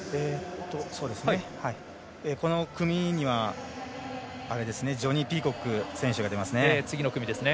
次の組にはジョニー・ピーコック選手が出ますね。